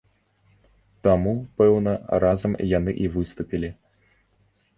Таму, пэўна, разам яны і выступілі.